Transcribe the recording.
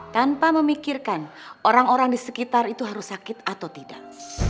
tanpa memikirkan orang orang di sekitar itu harus sakit atau tidak